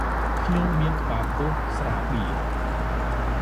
ខ្ញុំមានក្បាលពោះស្រាបៀរ។